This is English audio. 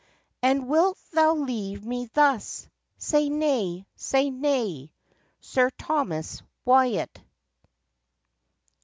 And wilt thou leave me thus? Say nay! say nay! Sir Thomas Wyatt.